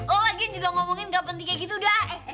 oh lagi juga ngomongin gak pentingnya gitu dah